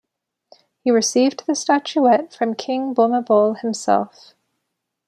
He received the statuette from King Bhumibol himself.